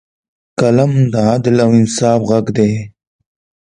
قلم د عدل او انصاف غږ دی